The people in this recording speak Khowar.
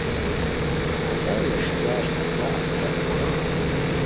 خدایو ویݰکیار سزا البت پورہ ہوئے